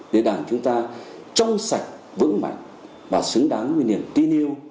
để đảng chúng ta trong sạch vững mạnh và xứng đáng nguyên liền tin yêu